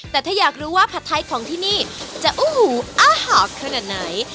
แต่ถ้าอยากรู้ว่าผัดไทยของที่นี่จะโอ้โหอาหารขนาดไหน